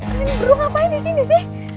kalian burung ngapain disini sih